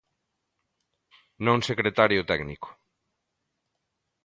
Non secretario técnico.